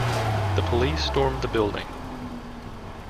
The police storm the building.